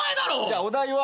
じゃあお題は。